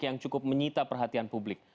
yang cukup menyita perhatian publik